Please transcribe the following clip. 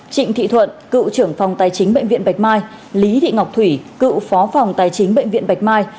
trịnh thị thuận cựu trưởng phòng tài chính bệnh viện bạch mai lý thị ngọc thủy cựu phó phòng tài chính bệnh viện bạch mai